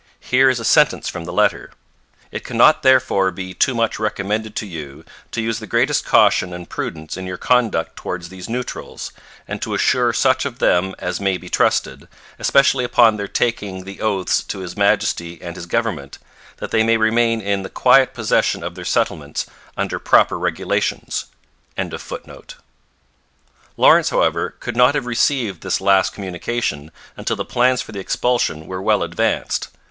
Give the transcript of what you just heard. Here is a sentence from the letter: 'It cannot therefore be too much recommended to you, to use the greatest caution and prudence in your conduct towards these neutrals, and to assure such of them as may be trusted, especially upon their taking the oaths to His Majesty and his government, that they may remain in the quiet possession of their settlements, under proper regulations.'] Lawrence, however, could not have received this last communication until the plans for the expulsion were well advanced.